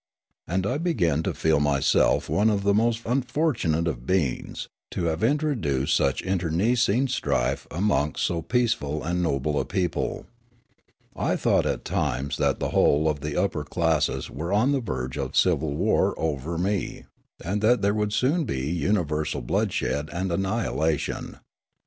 And I began to feel mj^self one of the most unfortunate of beings, to have introduced such internecine strife amongst so peaceful 42 Riallaro and noble a people. I thought at times that the whole of the upper classes were on the verge of civil war over me, and that there would soon be universal bloodshed and annihilation.